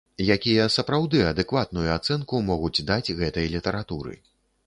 Якія сапраўды адэкватную ацэнку могуць даць гэтай літаратуры.